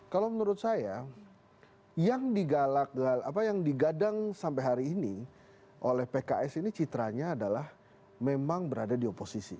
kalau menurut saya yang digadang sampai hari ini oleh pks ini citranya adalah memang berada di oposisi